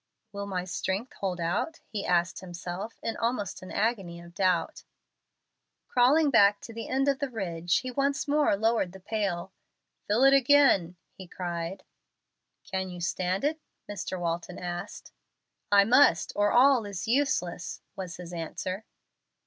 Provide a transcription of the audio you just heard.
"Will my strength hold out?" he asked himself, in almost an agony of doubt. Crawling back to the end of the ridge, he once more lowered the pail. "Fill it again," he cried. "Can you stand it?" Mr. Walton asked. "I must, or all is useless," was his answer.